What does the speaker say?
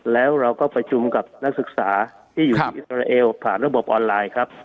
แล้วเราก็ประชุมกับนักศึกษาที่อยู่ผ่านระบบออนไลน์ครับ